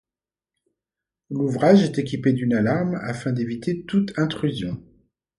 L'ouvrage est équipé d'une alarme afin d'éviter toute intrusion.